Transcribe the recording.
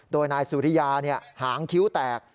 โดยนายสุริยาหางคิ้วแตก